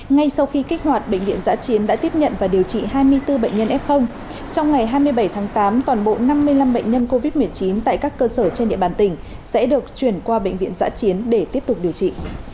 ngay sau khi kích hoạt bệnh viện giã chiến đã tiếp nhận và điều trị hai mươi bốn bệnh nhân f trong ngày hai mươi bảy tháng tám toàn bộ năm mươi năm bệnh nhân covid một mươi chín tại các cơ sở trên địa bàn tỉnh sẽ được chuyển qua bệnh viện giã chiến để tiếp tục điều trị